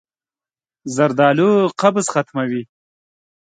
زردالو قبض ختموي.